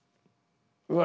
うわ！